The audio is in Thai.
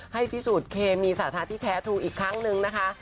พิสูจน์เคมีสถานะที่แท้ถูกอีกครั้งนึงนะคะ